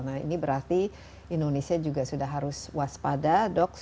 nah ini berarti indonesia juga sudah harus waspada dok